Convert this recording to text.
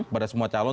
pada semua calon